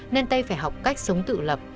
nên tây phải học cách sống tự lập